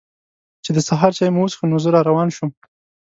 چې د سهار چای مو وڅښه نو زه را روان شوم.